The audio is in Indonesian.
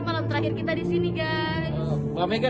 malam terakhir kita disini guys